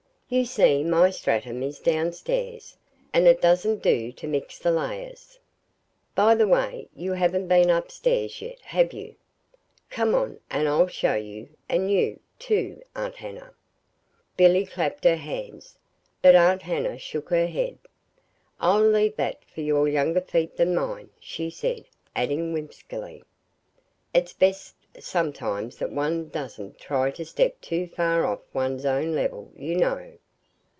You see, my stratum is down stairs, and it doesn't do to mix the layers. By the way, you haven't been up stairs yet; have you? Come on, and I'll show you and you, too, Aunt Hannah." Billy clapped her hands; but Aunt Hannah shook her head. "I'll leave that for younger feet than mine," she said; adding whimsically: "It's best sometimes that one doesn't try to step too far off one's own level, you know."